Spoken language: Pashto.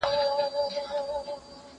زه پرون درسونه لوستل کوم،